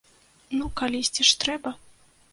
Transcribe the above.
Ну калісьці ж трэба.